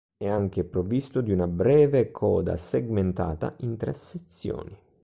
È anche provvisto di una breve coda segmentata in tre sezioni.